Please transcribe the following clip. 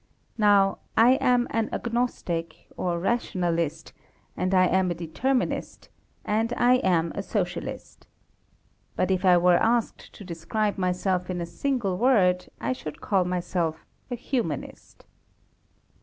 Now, I am an Agnostic, or Rationalist, and I am a Determinist, and I am a Socialist. But if I were asked to describe myself in a single word, I should call myself a Humanist.